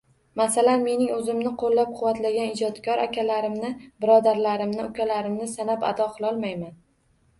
Masalan, mening o`zimni qo`llab-quvvatlagan ijodkor akalarimni, birodarlarimni, ukalarimni sanab ado qilolmayman